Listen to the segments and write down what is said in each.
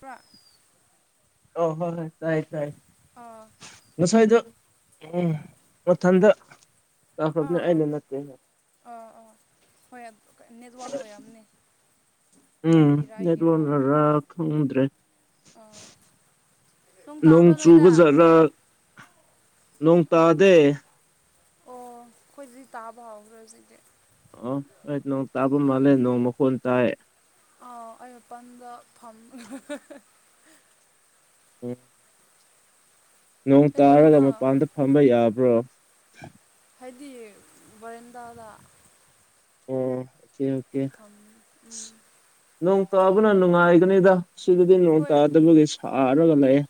ꯄ꯭ꯔ ꯑꯣ ꯍꯣꯏ ꯍꯣꯏ ꯇꯥꯏ ꯇꯥꯏ ꯑꯥ ꯉꯥꯁꯥꯏꯗꯣ ꯎꯝ ꯃꯊꯟꯗ ꯑꯥ ꯑꯥ ꯑꯥ ꯍꯣꯏ ꯅꯖꯋꯥꯟ ꯅꯥ ꯑꯣꯏꯔꯝꯅꯤ ꯎꯝ ꯅꯪꯒꯤꯔ ꯅꯦꯠꯋꯥꯛꯁ ꯑꯩꯒꯤꯔ ꯅꯥꯔꯥ ꯈꯪꯗꯦ ꯑꯥ ꯅꯣꯡ ꯇꯥꯕ꯭ꯔꯣ ꯆꯨꯕ ꯅꯣꯏꯗ ꯑꯣ ꯖꯥꯠꯔꯥ ꯅꯣꯡ ꯇꯥꯗꯦ ꯑꯣ ꯑꯩꯈꯣꯏꯗꯗꯤ ꯇꯥꯕ ꯍꯧꯔꯦ ꯍꯧꯖꯤꯛꯇꯤ ꯑ ꯍ ꯅꯣꯡ ꯇꯥꯕꯥ ꯃꯥꯜꯂꯦ ꯅꯣꯡ ꯃꯈꯣꯟ ꯇꯥꯏ ꯑꯥꯎ ꯑꯩ ꯃꯥꯄꯟꯗ ꯐ ꯎ ꯅꯣꯡ ꯇꯥꯔꯒ ꯀꯩꯗꯧꯔꯤꯅꯣ ꯃꯄꯥꯟꯗ ꯐꯝꯕ ꯌꯥꯕ꯭ꯔꯣ ꯍꯥꯏꯗꯤ ꯕꯔꯤꯟꯗꯥꯗ ꯑꯣ ꯑꯣꯀꯦ ꯑꯣꯀꯦ ꯑ ꯎꯝ ꯅꯣꯡ ꯇꯥꯕꯅ ꯅꯨꯡꯉꯥꯏꯕꯥꯅꯤꯗ ꯁꯤꯗꯗꯤ ꯅꯣꯡ ꯍꯣꯏ ꯇꯥꯗꯕꯒꯤ ꯁꯥꯔꯒ ꯂꯩꯌꯦ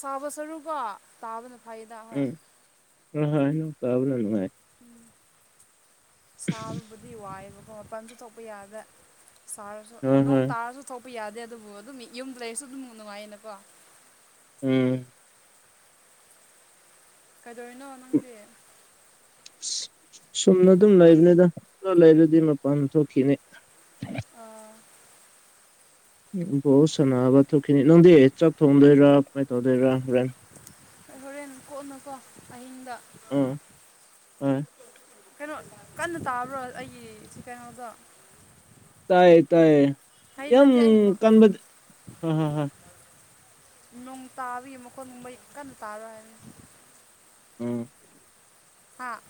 ꯁꯥꯕꯩ ꯁꯔꯨꯛ ꯀꯣ ꯇꯥꯕꯅ ꯐꯩꯗ ꯍꯣꯏ ꯎꯝ ꯍꯣꯏ ꯍꯣꯏ ꯅꯣꯡ ꯇꯥꯕꯅꯥ ꯅꯨꯡꯉꯥꯏ ꯎꯝ ꯁꯥꯕꯕꯨꯗꯤ ꯋꯥꯏꯑꯦꯕꯀꯣ ꯃꯄꯜꯁꯨ ꯊꯣꯛꯄ ꯌꯥꯗꯔ꯭ꯦ ꯁꯥꯔꯁꯨ ꯍꯣꯏ ꯅꯣꯡ ꯍꯣꯏ ꯇꯥꯔꯁꯨ ꯊꯣꯛꯄ ꯌꯥꯗꯦ ꯑꯗꯨꯕꯨ ꯑꯗꯨꯝ ꯌꯨꯝꯗ ꯂꯩꯔꯁꯨ ꯑꯗꯨꯝ ꯅꯨꯡꯉꯥꯏꯌꯦꯅꯀꯣ ꯎꯝ ꯀꯩꯗꯧꯔꯤꯅꯣ ꯅꯪꯗꯤ ꯑ ꯁꯨꯝꯅ ꯑꯗꯨꯝ ꯂꯩꯕꯅꯤꯗ ꯄꯨ ꯂꯩꯔꯗꯤ ꯃꯄꯥꯟ ꯊꯣꯛꯈꯤꯅꯤ ꯑꯣ ꯎ ꯕꯣꯠ ꯁꯥꯟꯅꯕ ꯊꯣꯛꯈꯤꯅꯤ ꯅꯪꯗꯤ ꯆꯥꯛ ꯊꯣꯡꯗꯣꯏꯔꯥ ꯀꯃꯥꯏꯅ ꯇꯧꯗꯣꯏꯔꯥ ꯍꯣꯔꯦꯟ ꯍꯣꯔꯦꯟ ꯀꯣꯛꯅꯨꯀꯣ ꯑꯍꯤꯡꯗ ꯑꯝꯑ ꯀꯩꯅꯣ ꯀꯟꯅ ꯇꯥꯕ꯭ꯔꯣ ꯑꯩꯒꯤ ꯁꯤ ꯀꯩꯅꯣꯗꯣ ꯇꯌꯦ ꯇꯌꯦ ꯍꯩ ꯌꯥꯝ ꯅꯠꯇꯦ ꯑꯩ ꯈꯣꯟ ꯀꯟꯕꯥꯗꯤ ꯅꯨꯡ ꯇꯥꯕꯥꯒꯤ ꯃꯈꯣꯟ ꯃꯩ ꯀꯟꯅ ꯇꯥꯔꯣꯏ ꯍꯥꯏꯅ ꯎꯝ ꯍꯥ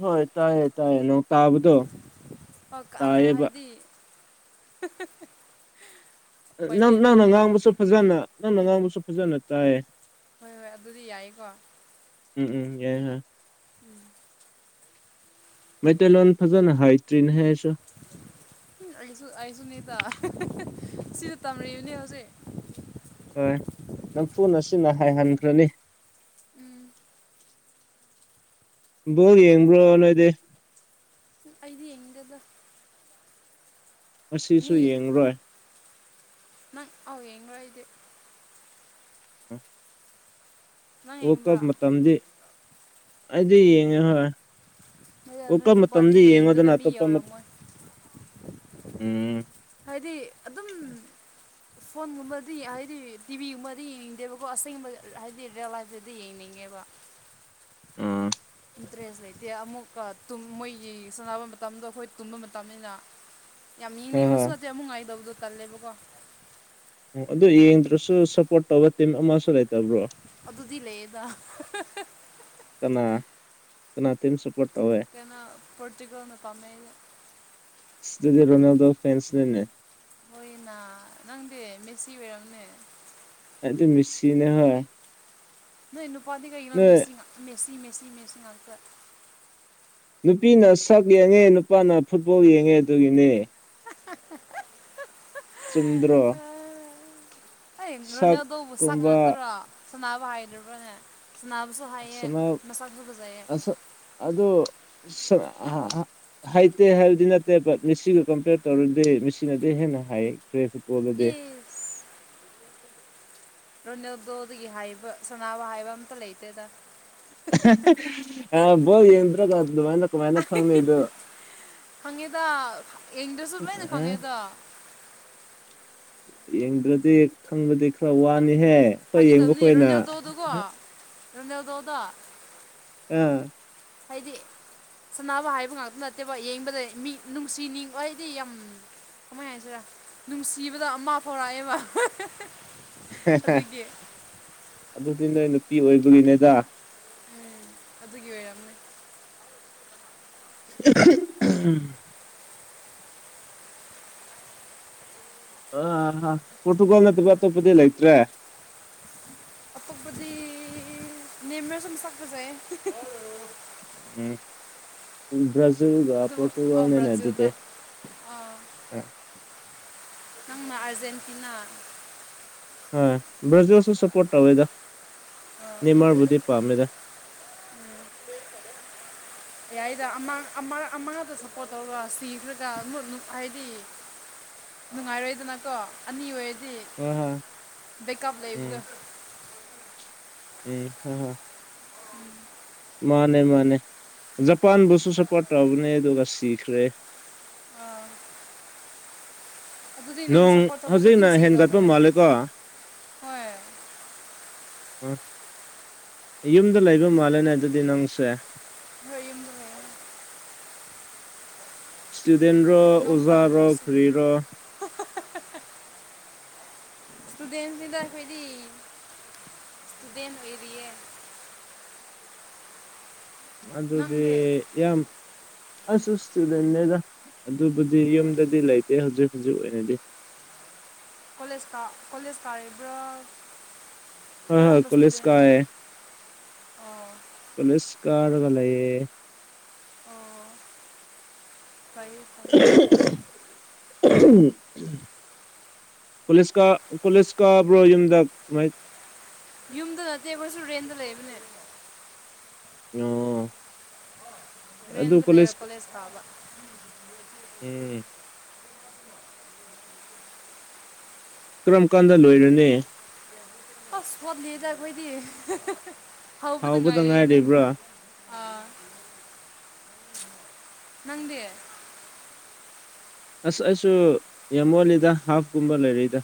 ꯍꯣꯏ ꯇꯥꯏꯌꯦ ꯇꯥꯏꯌꯦ ꯅꯣꯡ ꯇꯥꯕꯗꯣ ꯇꯥꯏꯌꯦꯕ ꯍꯤꯍꯦ ꯅꯪ ꯅꯪꯅ ꯉꯥꯡꯕꯁꯨ ꯐꯖꯅ ꯅꯪꯅ ꯉꯥꯡꯕꯁꯨ ꯐꯖꯅ ꯇꯥꯏꯌꯦ ꯍꯣꯏ ꯍꯣꯏ ꯑꯗꯨꯗꯤ ꯌꯥꯏꯀꯣ ꯎꯝ ꯎꯝ ꯌꯥꯏꯌꯦ ꯌꯥꯏꯌꯦ ꯎꯝ ꯃꯩꯇꯩꯂꯣꯟ ꯐꯖꯅ ꯍꯥꯏꯇ꯭ꯔꯤꯅꯦꯍꯦ ꯑꯩꯁꯨ ꯑꯩꯁꯨ ꯑꯩꯁꯨꯅꯦ ꯇꯥ ꯁꯤꯗ ꯇꯝꯔꯤꯅꯦ ꯍꯧꯖꯤꯛ ꯍꯣꯏ ꯅꯪ ꯐꯨꯅ ꯑꯁꯤꯅ ꯍꯥꯏꯍꯟꯈ꯭ꯔꯅꯤ ꯎꯝ ꯕꯣꯜ ꯌꯦꯡꯕ꯭ꯔꯣ ꯅꯣꯏꯗꯤ ꯑꯩꯗꯤ ꯌꯦꯡꯗꯦꯗ ꯉꯥꯁꯤꯁꯨ ꯌꯦꯡꯂꯔꯣꯏ ꯌꯦꯡꯔꯣꯏ ꯑꯩꯗꯤ [unintelligible] ꯅꯪ ꯋꯥꯔ ꯀꯞ ꯌꯦꯡꯕ꯭ꯔꯥ ꯃꯇꯝꯗꯤ ꯑꯩꯗꯤ ꯌꯦꯡꯉꯦ ꯍꯣꯏ ꯍ ꯋꯥꯔꯜ ꯅꯣꯏ ꯀꯞ ꯅꯨꯄꯥꯗꯤ ꯃꯇꯝꯗꯤ ꯌꯦꯡꯉꯣꯗꯅ ꯌꯦꯡꯗꯕꯩ ꯃꯤ ꯑꯇꯣꯞꯄ ꯃꯠ ꯌꯧꯔꯝꯃꯣꯏ ꯎꯝ ꯍꯥꯏꯗꯤ ꯑꯗꯨꯝ ꯐꯣꯟꯒꯨꯝꯕꯗꯤ ꯍꯥꯏꯗꯤ ꯇꯤꯚꯤꯒꯨꯝꯕꯗꯤ ꯌꯦꯡꯅꯤꯡꯗꯦꯕꯀꯣ ꯑꯁꯦꯡꯒꯨꯝꯕ ꯍꯥꯏꯗꯤ ꯔꯤꯌꯦꯜ ꯂꯥꯏꯐꯇꯗꯤ ꯌꯦꯡꯅꯤꯡꯉꯦ ꯑꯦꯕ [inaudible] ꯗ꯭ꯔꯦꯁ ꯂꯩꯇꯦ ꯑꯃꯨꯛꯀ ꯃꯣꯏꯒꯤ ꯁꯥꯟꯅꯕ ꯃꯇꯝꯗꯣ ꯑꯩꯈꯣꯏ ꯇꯨꯝꯕ ꯃꯇꯝꯅꯤꯅ ꯌꯥꯝ ꯍꯣꯏ ꯅꯦꯝꯕꯁꯨ ꯍꯣꯏ ꯅꯠꯇꯦ ꯑꯃꯨ ꯉꯉꯥꯏꯗꯕꯗꯣ ꯇꯜꯂꯦꯕꯀꯣ ꯑꯣ ꯑꯗꯨ ꯌꯦꯡꯗ꯭ꯔꯁꯨ ꯁꯞꯄꯣꯔꯠ ꯇꯧꯕ ꯇꯤꯝ ꯑꯃꯁꯨ ꯂꯩꯇꯕ꯭ꯔꯣ ꯑꯗꯨꯗꯤ ꯂꯩꯌꯦꯗ ꯇꯤꯟ ꯁꯣꯄꯣꯔ ꯀꯩꯅ ꯄꯣꯔꯇꯨꯒꯜꯅ ꯄꯝꯃꯦ ꯑꯁ ꯑꯗꯨꯗꯤ ꯔꯣꯅꯥꯜꯗꯣ ꯐꯦꯟꯁ ꯅꯤꯅꯦ ꯍꯣꯏꯅꯥ ꯅꯪꯗꯤ ꯃꯦꯁꯤ ꯑꯣꯏꯔꯝꯅꯦ ꯑꯩꯗꯤ ꯃꯦꯁꯤꯅꯦ ꯍꯣꯏ ꯏ ꯏꯟꯅ ꯄꯇꯤ ꯀꯅ ꯅꯣꯏ ꯃꯦꯁꯤ ꯃꯦꯁꯁꯤ ꯃꯦꯁꯤ ꯃꯦꯁꯤꯉꯇ ꯅꯨꯄꯤꯅ ꯁꯛ ꯌꯦꯡꯉꯦ ꯅꯨꯄꯥꯅ ꯐꯨꯠꯕꯣꯜ ꯌꯦꯡꯉꯦ ꯑꯗꯨꯒꯤꯅꯦ [unintelligible] ꯆꯨꯝꯗ꯭ꯔ ꯑꯩ꯭ꯔꯣꯅꯦ ꯑ ꯑꯗꯨꯕꯨ ꯁꯛ ꯉꯛꯇꯔꯣ ꯁꯅꯥꯅꯕ ꯍꯥꯏꯗꯔꯤꯕꯅꯦ ꯁꯅꯥꯕꯁꯨ ꯍꯩꯌꯦ ꯁꯅꯥ ꯃꯁꯛꯁꯨ ꯐꯖꯩꯌꯦ [unintelligible] ꯍꯥꯏꯇꯦ ꯍꯥꯏꯕꯗꯤ ꯅꯠꯇꯦ ꯕꯠ ꯃꯤꯁꯤꯒ ꯀꯝꯄꯔ ꯇꯧꯔꯗꯤ ꯃꯤꯁꯤꯅꯗꯤ ꯍꯦꯟꯅ ꯍꯥꯏꯈꯔꯦ ꯕꯣꯜꯒꯤꯗꯤ ꯔꯣꯅꯤꯜꯗꯣꯗꯒꯤ ꯍꯥꯏꯕ ꯁꯅꯥꯅꯕ ꯍꯥꯏꯕ ꯑꯝꯇ ꯂꯩꯇꯦꯗ ꯑꯕꯣ ꯌꯦꯟ꯭ꯔꯣꯒ ꯃꯥꯏ ꯀ ꯃꯥꯏꯅ ꯀ ꯈꯪ ꯏꯣ ꯈꯪꯉꯦꯗ ꯌꯦꯡꯗꯁꯨ ꯂꯩꯏꯅ ꯈꯪꯉꯦꯗ [inaudible] ꯌꯦꯡꯗ꯭ꯔꯗꯤ ꯈꯪꯕꯗꯤ ꯈꯔ ꯋꯥꯅꯤꯍꯦ ꯑꯩꯈꯣꯏ ꯌꯦꯡꯕꯈꯣꯏꯅ ꯔꯣꯅꯥꯜꯗꯣꯗꯣ ꯑꯥ ꯍꯥꯏꯗꯤ ꯁꯅꯕ ꯍꯥꯏꯕ ꯉꯥꯛꯇ ꯅꯠꯇꯦꯕ ꯌꯦꯡꯕꯗ ꯃꯤ ꯅꯨꯡꯁꯤꯅꯤꯡ ꯍꯥꯏꯗꯤ ꯌꯥꯝ ꯀꯃꯥꯏꯅ ꯍꯥꯏꯁꯤꯔ ꯅꯨꯡꯁꯤꯕꯗꯣ ꯑꯃ ꯐꯥꯎꯔꯛꯑꯦꯕ ꯑꯗꯨꯒꯤ ꯑꯗꯨꯗꯤ ꯅꯣꯏ ꯅꯨꯄꯤ ꯑꯣꯏꯕꯒꯤꯅꯦꯗ ꯎꯝ ꯑꯗꯨꯒꯤ ꯑꯣꯏꯔꯝꯃꯦ [unintelligible] ꯑꯥꯍꯥ ꯄꯣꯔꯇꯨꯒꯣꯜ ꯅꯠꯇꯕ ꯇꯣꯞꯄꯗꯤ ꯂꯩꯏꯇ꯭ꯔꯦ ꯑꯇꯣꯞꯄꯗꯤ ꯅꯦꯃꯥꯔꯁꯨ ꯃꯁꯛ ꯐꯖꯩꯌꯦ ꯎꯝ ꯑꯗꯨꯕꯨ ꯑꯥ ꯄꯣꯣꯔꯇꯨꯒꯜꯅꯗꯨꯇꯦ ꯕ꯭ꯔꯥꯖꯤꯜꯗ ꯑꯥ ꯑ ꯅꯪꯅ ꯑꯔꯖꯦꯟꯇꯤꯅꯥ ꯭ꯔꯖꯤꯜꯁꯨ ꯁꯄꯣꯔꯠ ꯇꯧꯋꯦꯗ ꯑ ꯅꯦꯃꯥꯔꯕꯨꯗꯤ ꯄꯥꯝꯃꯦꯗ ꯎꯝ ꯌꯥꯏꯗ ꯑꯃꯥꯡꯗ ꯁꯞꯄꯣꯔꯠ ꯇꯧꯔꯒ ꯁꯤꯈ꯭ꯔꯒꯠ ꯍꯥꯏꯗꯤ ꯅꯨꯡꯉꯥꯏꯔꯣꯏꯗꯅ ꯀꯣ ꯑꯅꯤ ꯑꯣꯏ ꯍꯣꯏ ꯍꯣꯏ ꯕꯦꯀꯞ ꯎꯝ ꯂꯩꯕꯒ ꯎꯝ ꯍ ꯍ ꯎꯝ ꯃꯥꯅꯦ ꯃꯥꯅꯦ ꯖꯄꯥꯟꯕꯨꯁꯨ ꯁꯞꯄꯣꯔꯠ ꯇꯧꯕꯅꯦ ꯑꯗꯨꯒ ꯁꯤꯈ꯭ꯔꯦ [unintelligible] ꯑꯗꯨꯗ ꯅꯅ ꯅꯣꯡ ꯁꯥꯄꯣꯔꯠ ꯇꯧꯕ ꯈꯗ ꯍꯧꯖꯤꯛꯅ ꯆꯗ ꯍꯦꯟꯒꯠꯄ ꯃꯂꯦ ꯃꯥꯜꯂꯦꯀꯣ ꯍꯣꯏ ꯎ ꯌꯨꯝꯗ ꯂꯩꯕ ꯃꯥꯜꯂꯦꯅꯦ ꯑꯗꯨꯗꯤ ꯅꯪꯁꯦ ꯍꯕ ꯏꯁꯇꯨꯗꯦꯟ ꯔꯣ ꯅꯣꯡ ꯑꯣꯖꯥ ꯔꯣ ꯀꯟꯕꯁꯤꯗꯤ ꯈꯔꯤꯔꯣ [unintelligible] ꯏꯁꯇꯨꯗꯦꯟꯁꯤꯡꯗ ꯍꯥꯏꯗꯤ ꯗꯅ ꯑꯣꯏꯔꯤꯌꯦ ꯅꯪꯗꯤ ꯑꯗꯨꯗꯗꯤꯦ ꯌꯥꯝ ꯑꯁꯁꯗ ꯏꯅꯦꯗ ꯑꯗꯨꯕꯨꯗꯤ ꯌꯨꯝꯗꯗꯤ ꯂꯩꯇꯦ ꯍꯧꯖꯤꯛ ꯍꯧꯖꯤꯛ ꯑꯣꯏꯅꯗꯤ ꯀꯣꯂꯦꯖ ꯀꯣꯂꯦꯖ ꯇꯥꯔꯤꯕ꯭ꯔꯥ ꯑ ꯍ ꯀꯣꯂꯁ ꯀꯥꯑ ꯑꯣ ꯄꯨꯂꯤꯁ ꯀꯥꯔꯒꯦ ꯑꯣ ꯐ ꯐ ꯎꯝ ꯄꯨꯁꯀ ꯄꯨꯂꯤꯁꯀꯕ꯭ꯔꯣ ꯌꯨꯝꯗ ꯀꯥꯏ ꯌꯨꯝꯗ ꯅꯠꯇꯦ ꯑꯩꯈꯣꯏꯁꯨ ꯔꯨꯔꯦꯟꯗ ꯂꯩꯕꯅꯦ ꯑꯣ ꯑꯗꯨ ꯗ ꯂꯩꯦ ꯀꯣꯂꯦꯖ ꯀꯂꯦ ꯁꯕ ꯎꯝ ꯀꯔꯝ ꯀꯥꯟꯗ ꯂꯣꯏꯔꯅꯦ ꯑ ꯐꯣꯟꯗꯗ ꯀꯣꯏꯗꯤ ꯍꯥꯎꯕꯗ ꯍꯥꯎꯕꯗꯉꯥꯏ ꯑꯣ ꯉꯥꯏꯔꯤꯕ꯭ꯔꯥ ꯑꯥ ꯅꯪꯗꯦ ꯑꯁ ꯑꯩꯁꯨ ꯌꯥꯝꯃꯣꯜꯂꯤꯗ ꯍꯥꯐꯀꯨꯝꯕ ꯂꯩꯔꯛꯏꯗ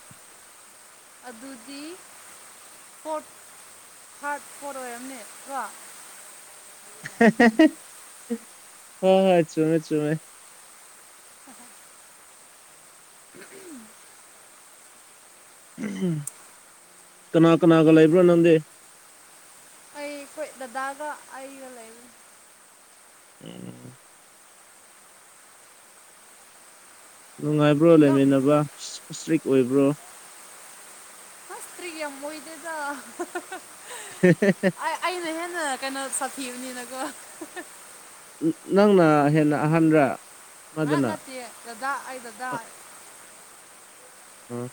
ꯑꯗꯨꯗꯤ ꯐꯣꯔ ꯊꯥꯔꯚ ꯐꯣꯔ ꯑꯣꯏꯔꯝꯅꯦ ꯀꯣ ꯍ ꯍꯣꯏ ꯆꯨꯝꯃꯦ ꯆꯨꯝꯃꯦ ꯑ ꯎꯝ ꯀꯅꯥ ꯀꯅꯥꯀ ꯂꯩꯕꯅꯗ ꯑꯩ ꯍꯈꯣꯏ ꯗꯗꯥꯒ ꯑꯩꯒ ꯂꯩꯔꯤ ꯎꯝ ꯅꯨꯡꯉꯥꯏꯕ꯭ꯔꯣ ꯂꯩꯃꯤꯟꯅꯕ ꯏꯁꯇ꯭ꯔꯤꯛ ꯑꯣꯏꯕ꯭ꯔꯣ ꯍꯁꯇ꯭ꯔꯤꯒ ꯌꯥꯝꯃꯣꯏꯗꯦꯖ ꯑꯩꯅ ꯍꯦꯟꯅ ꯀꯩꯅꯣ ꯁꯥꯊꯤꯕꯅꯤꯅꯀꯣ ꯅꯪꯅ ꯍꯦꯟꯅ ꯑꯍꯥꯟꯕ꯭ꯔ ꯉ ꯅꯠꯇꯦ ꯗꯗꯥ ꯑꯩ ꯗꯗꯥ ꯑꯥ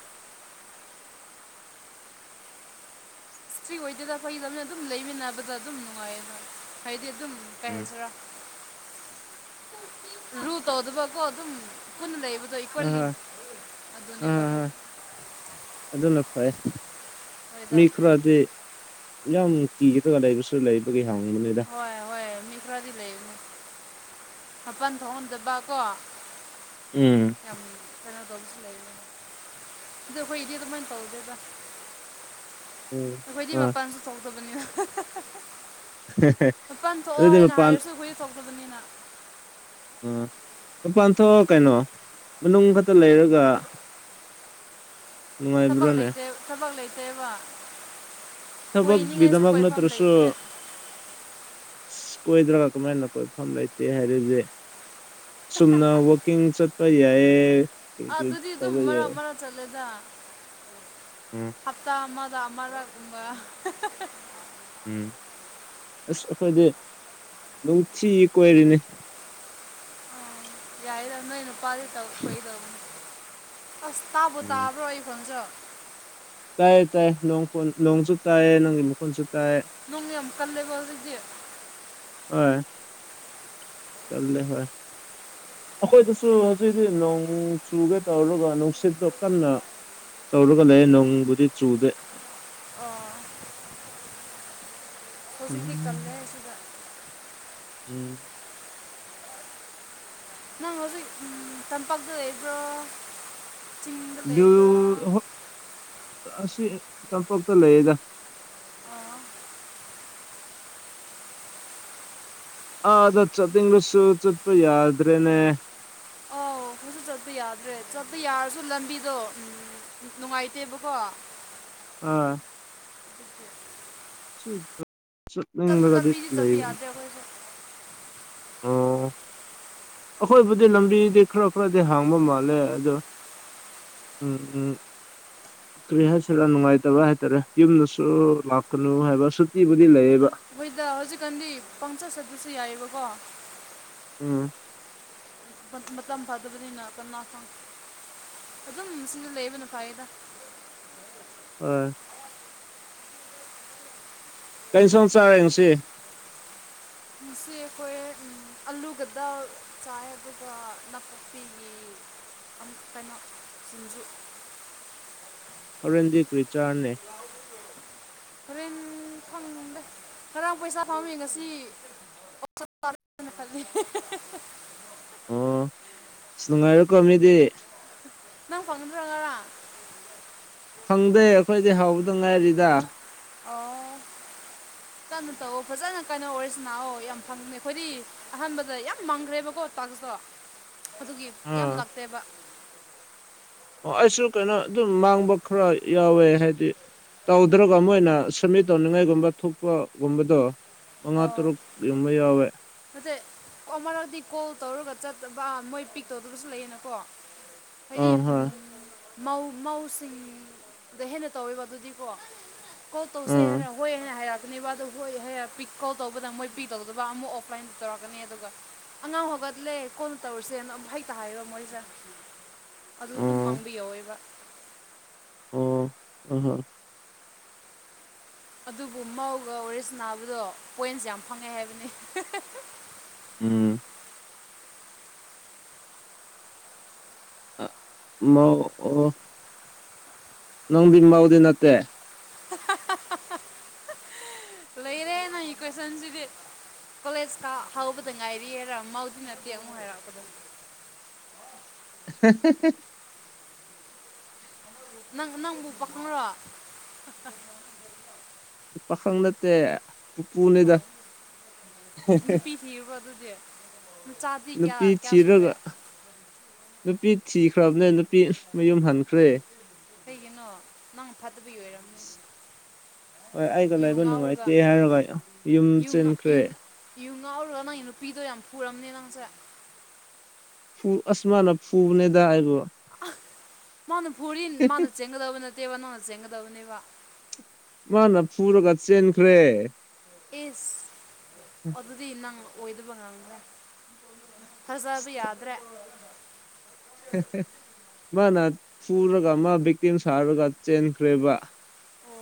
ꯍꯇ꯭ꯔꯤ ꯑꯣꯏꯗꯦꯗ ꯐꯩꯗꯅ ꯑꯗꯨꯝ ꯂꯩꯃꯤꯟꯅꯕꯗ ꯑꯗꯨꯝ ꯅꯨꯡꯉꯥꯏꯌꯦꯗ ꯍꯥꯏꯗꯤ ꯑꯗꯨꯝ ꯀ ꯎꯝ ꯍꯥꯏꯖꯔꯣ ꯔꯨ ꯇ ꯑꯣ ꯑꯗꯨꯕ ꯀ ꯑꯣ ꯑꯗꯨ ꯄꯨꯅ ꯂꯩ ꯑ ꯑ ꯑꯗꯨꯅ ꯐꯩ ꯃꯤ ꯈꯔꯗ ꯌꯥꯝ ꯀ ꯇꯒ ꯂꯩꯕ ꯁ ꯂꯩꯕꯒꯦ ꯍꯣꯏ ꯍꯣꯏ ꯃꯤ ꯈ꯭ꯔꯥꯗꯤ ꯂꯩ ꯃꯄꯜ ꯊꯣꯛꯍꯟꯗꯕ ꯀꯣ ꯎꯝ ꯌꯥꯝ ꯀꯩꯅꯣ ꯗꯈꯣꯏ ꯏꯗꯤꯗ ꯃꯅ ꯇꯧꯗꯦꯗ ꯎꯝ ꯑꯩꯈꯣꯏꯗꯤ ꯑꯥ ꯃꯄꯥꯟꯁꯨ ꯊꯣꯛꯧꯇꯕꯅꯤꯅ ꯀꯥꯟ ꯊꯣꯛꯑꯣ ꯑꯗꯨꯗꯤ ꯍꯥꯏꯅ ꯃꯄꯥꯟ ꯍꯥꯏꯔꯁꯨ ꯍꯨꯏ ꯊꯣꯛꯇꯕꯅꯤꯅ ꯂꯄꯥꯟ ꯊꯣꯛꯑ ꯀꯩꯅꯣ ꯃꯅꯨꯡ ꯈꯛꯇ ꯂꯩꯔꯒ ꯊꯕꯛ ꯊꯕꯛ ꯅꯨꯡꯉꯥꯏꯕ꯭ꯔꯣꯅꯦ ꯂꯩꯩ ꯊꯕꯛ ꯂꯩꯖꯩꯦꯕ ꯊꯕꯛ ꯕꯤꯗꯥꯃꯒꯅ ꯇ꯭ꯔꯁꯣ ꯂꯩꯇꯦ ꯀꯣꯏꯗ꯭ꯔꯒ ꯀꯃꯥꯏꯅ ꯀꯣꯏꯐꯝ ꯂꯩꯇꯦ ꯍꯥꯏꯔꯗꯤ ꯁꯨꯝꯅ ꯋꯥꯛꯀꯤꯡ ꯆꯠ ꯑꯩꯣꯏ ꯌꯥꯌꯦ ꯑꯗꯨꯗꯤ ꯑꯗꯨꯝ ꯃꯔꯥ ꯃꯔꯥ ꯆꯠꯂꯦꯗ ꯎꯝ ꯍꯥꯞꯇꯥ ꯑꯃꯗ ꯑ ꯎꯝ ꯑꯁ ꯑꯩꯈꯣꯏꯗꯤ ꯅꯨꯡꯊꯤ ꯀꯣꯏꯔꯤꯅꯤ ꯌꯥꯏꯗꯅꯣꯅ ꯄꯥꯔ ꯇꯣꯏ ꯇꯅꯤ ꯑꯁ ꯇꯥꯕ ꯎꯝ ꯇꯥꯕ꯭ꯔꯣ ꯑꯩ ꯐꯣꯟꯁꯨ ꯇꯥꯏ ꯇꯥꯏꯣꯡꯣꯟ ꯅꯣꯡꯁꯨ ꯇꯥꯏꯌꯦ ꯅꯪꯒꯤ ꯃꯈꯣꯟꯁꯨ ꯇꯥꯏꯌꯦ ꯅꯣꯡꯃꯤ ꯀꯂꯦ ꯣꯜꯗꯗꯤꯦ ꯑ ꯀꯦ ꯍ ꯑꯩꯈꯣꯏꯗꯁꯨ ꯍꯧꯖꯤꯛ ꯍꯧꯖꯤꯛ ꯅꯣꯡ ꯆꯨꯒꯦ ꯇꯧꯔꯒ ꯅꯨꯡꯁꯤꯠꯇꯣ ꯀꯟꯅ ꯇꯧꯔꯒ ꯂꯩ ꯅꯣꯡꯕꯨꯗꯤ ꯆꯨꯗꯦ ꯑꯣ ꯍꯕꯤꯗꯤꯤ ꯀꯝꯃꯦ ꯁꯤꯗ ꯎꯝ ꯅꯪ ꯍꯧꯖꯤꯛ ꯎ ꯇꯝꯄꯥꯛꯥꯛꯗ ꯂꯩꯕ꯭ꯔꯣ ꯕ꯭ꯌꯨ ꯑꯁꯤ ꯇꯝꯄꯣꯛꯇ ꯂꯩꯌꯦꯗ ꯑꯥ ꯑꯥ ꯆꯠꯅꯤꯡꯕꯁꯨ ꯆꯠꯄ ꯌꯥꯗ꯭ꯔꯦꯅꯦ ꯑꯣ ꯍꯧꯁꯨ ꯆꯠꯄ ꯌꯥꯗ꯭ꯔꯦ ꯆꯠꯄ ꯌꯥꯔꯁꯨ ꯂꯝꯕꯤꯗꯣ ꯎꯝ ꯅꯨꯡꯉꯥꯏꯇꯦꯕꯀꯣ ꯑꯥ ꯎꯝ ꯁꯤ ꯁꯞꯁ ꯂ ꯆꯠꯅꯤꯡꯂꯒꯗꯤ ꯂꯝꯕꯤ ꯆꯖꯤ ꯆꯞꯄꯤ ꯂꯩꯕꯅꯦ ꯌꯥꯗꯦꯈꯣꯏꯁ ꯑꯣ ꯑꯩꯈꯣꯏꯕꯨꯗꯤ ꯂꯝꯕꯤꯗꯤ ꯈꯔ ꯈꯔꯗꯤ ꯍꯥꯡꯕ ꯃꯥꯜꯂꯦ ꯑꯗꯨꯗ ꯎꯝ ꯎꯝ ꯀꯔꯤ ꯍꯥꯏꯁꯤꯦꯔ ꯅꯨꯡꯉꯥꯏꯇꯕ ꯍꯥꯏꯇꯥꯔꯦ ꯌꯨꯝꯗꯁꯨ ꯂꯥꯛꯀꯅꯨ ꯍꯥꯏꯕ ꯁꯨꯇꯤꯕꯨꯗꯤ ꯂꯩ ꯃꯣꯏꯗ ꯍꯧꯖꯤꯛꯀꯥꯟꯗꯤ ꯄꯪꯆꯠ ꯆꯠꯠꯇꯁꯨ ꯌꯥꯏꯑꯕꯀꯣ ꯎꯝ ꯃ ꯃꯇꯝ ꯐꯥꯗꯕꯅꯤꯅ ꯀꯅꯥ ꯐ ꯑꯗꯨꯝ ꯁꯤꯅ ꯂꯩꯕꯅ ꯐꯥꯏꯗ ꯑ ꯀꯔꯤ ꯁꯣꯝ ꯆꯥꯔꯦ ꯉꯁꯤ ꯁꯤ ꯑꯩꯈꯣꯏ ꯑꯂꯨꯒꯗ ꯆꯥꯏ ꯑꯗꯨꯒ ꯅꯥꯀꯄꯤꯒꯤ ꯑꯃꯨꯛ ꯀꯩꯅ ꯁꯤꯡꯖꯨ [inaudible] ꯑꯔꯟꯖꯤ ꯀꯔꯤꯆꯔꯅꯦ ꯍꯣꯔꯦꯟ ꯐ ꯈꯔꯥꯡ ꯄꯩꯁꯥ ꯐꯪꯃꯤ ꯉꯁꯤ [inaudible] ꯅꯨꯡꯉꯥꯏꯔꯀꯣ ꯃꯤꯗꯤ ꯅꯪꯐꯅꯠꯇ꯭ꯔꯒꯔꯥ ꯑꯗꯨꯉꯥꯏꯔꯤꯗ ꯑ [inaudible] ꯀꯟꯅꯣ ꯇꯧꯋ ꯐꯖꯅ ꯀꯟꯅꯣ ꯑꯣꯏꯔꯤꯁ ꯂꯥꯛꯑꯣ ꯌꯥꯝ ꯐꯪꯦ ꯑꯩꯈꯣꯏꯗꯤ ꯑꯍꯥꯟꯕꯗ ꯌꯥꯝ ꯃꯪꯈ꯭ꯔꯦꯕꯀꯣ ꯀꯣ ꯑꯗꯨꯒꯤ ꯌꯥꯝ ꯑꯥ ꯂꯥꯛꯇꯦꯕ ꯑꯣ ꯑꯩꯁꯨ ꯀꯩꯅꯣ ꯑꯗꯨꯝ ꯃꯥꯡꯕ ꯈꯔ ꯌꯥꯎꯋꯦ ꯍꯥꯏꯗꯤ ꯇꯧꯗ꯭ꯔꯒ ꯑꯃ ꯑꯣꯏꯅ ꯁꯃꯤꯠ ꯇꯧꯅꯤꯡꯉꯥꯏꯒꯨꯝꯕ ꯊꯣꯛꯄꯒꯨꯝꯕꯗꯣ ꯃꯉꯥ ꯑꯣ ꯇꯔꯨꯛ ꯌꯨꯝꯕ ꯌꯥꯎꯋꯦ ꯑꯣ ꯃꯔꯛꯇꯗꯤ ꯀꯣꯜ ꯇꯧꯔꯒ ꯆꯠꯇꯕ ꯃꯣꯏ ꯄꯤꯛ ꯇꯧꯗꯒꯁꯨ ꯂꯩꯌꯦꯅꯀꯣ ꯍꯥꯏꯗꯤ ꯑꯥ ꯍꯣꯏ ꯎꯝ ꯃꯧ ꯃꯧꯁꯤꯡꯗ ꯍꯦꯟꯅ ꯇꯧꯋꯦꯕ ꯑꯗꯨꯗꯤꯀꯣ ꯀꯣ ꯇꯧꯁꯦ ꯑꯥ ꯍꯥꯏ ꯍꯣꯏ ꯍꯥꯏꯔꯅꯦꯕ ꯍꯣꯏ ꯍꯥꯏꯤꯛ ꯀꯣꯜ ꯇꯧꯕꯗ ꯃꯣꯏ ꯄꯦ ꯇꯧꯗꯕ ꯑꯃꯨꯛ ꯑꯣꯐꯂꯥꯏꯟꯗ ꯇꯧꯔꯛꯀꯅꯤ ꯑꯗꯨꯒ ꯑꯉꯥꯡ ꯍꯧꯒꯠꯂꯦ ꯀꯣꯟꯅ ꯇꯧꯔꯁꯦꯅ ꯍꯩꯛꯇ ꯍꯥꯏꯕ ꯃꯣꯏꯁꯦ ꯑꯗꯨ ꯑꯗꯨꯝ ꯑꯣ ꯃꯥꯡꯕ ꯌꯧꯋꯦꯕ ꯑꯣ ꯑ ꯍ ꯑꯗꯨꯕꯨ ꯃꯧꯒ ꯑꯣꯔꯤꯁꯤ ꯅꯥꯕꯗꯣ ꯄꯣꯏꯟꯁ ꯌꯥꯝ ꯐꯪꯉꯦ ꯍꯥꯏꯕꯅꯤ ꯎꯝ ꯑ ꯃ ꯑꯣ ꯅꯪ ꯕꯥꯎꯗ ꯅꯠꯇꯦ [inaudible] ꯂꯩꯔꯦ ꯅ ꯏ ꯀ꯭ꯋꯦꯁꯟꯁꯤꯗꯤ ꯀꯣꯂꯦꯖꯇ ꯍꯧꯕꯗ ꯉꯥꯏꯔꯤꯔ ꯃꯥꯗꯤ ꯅꯠꯇꯦ ꯑꯃꯨꯛ ꯍꯥꯏꯔꯛꯄꯗ [inaudible] [inaudible] ꯅꯪ ꯅꯪꯕꯨ ꯄꯥꯈꯪꯣ ꯄꯥꯈꯪ ꯅꯠꯇꯦ ꯄꯨꯄꯨꯅꯤꯗ ꯎ ꯅꯨꯄꯤ ꯊꯤꯔꯒ ꯅꯨꯄꯤ ꯊꯤꯈ꯭ꯔꯕꯅꯦ ꯅꯨꯄꯤ ꯃꯌꯨꯝ ꯍꯟꯈ꯭ꯔꯦ ꯀꯩꯒꯤꯅꯣ ꯅꯪ ꯐ [inaudible] ꯍꯣꯏ ꯑꯩꯒ ꯌꯨ ꯂꯕ ꯉꯥꯎꯔꯒ ꯅꯨꯡꯉꯥꯏꯇꯦ ꯍꯥꯏꯔꯒ ꯌꯨꯝ ꯌꯨ ꯉꯥ- ꯆꯦꯟꯈ꯭ꯔꯦ ꯌꯨ ꯌꯨ ꯉꯥꯎꯔꯒ ꯅꯪꯒꯤ ꯅꯨꯄꯤꯗꯣ ꯌꯥꯝ ꯄꯨꯔꯝꯅꯦ ꯅꯪꯁꯦ ꯐ ꯑꯁꯃꯥꯟ ꯐꯨꯕꯅꯦꯗꯒꯣ ꯃꯥꯅ ꯐꯨꯔꯤ ꯃꯥꯅ ꯆꯦꯟꯒꯗꯕ ꯅꯠꯇꯦꯕ ꯅꯪꯅ ꯆꯦꯟꯒꯗꯕꯅꯦꯕ ꯍꯥꯟꯅ ꯐꯨꯔꯒ ꯆꯦꯟꯈ꯭ꯔꯦ ꯑꯦꯁ ꯑꯗꯨꯗꯤ ꯅꯪ ꯑꯣꯏꯗꯕ ꯉꯥꯡꯗ꯭ꯔꯦ ꯍꯖꯥ ꯑꯗꯨ ꯌꯥꯗ꯭ꯔꯦ [inaudible] ꯃꯥꯅ ꯐꯨꯔꯒ ꯃꯥ ꯕꯦꯛꯇꯤꯝ ꯁꯥꯔꯒ ꯆꯦꯟꯈ꯭ꯔꯦꯕ